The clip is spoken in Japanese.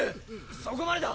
そこまでだ！